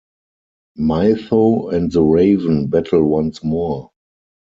Mytho and the Raven battle once more.